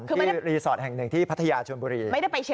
ที่รีสอร์ทแห่งหนึ่งที่พัทยาชนบุรี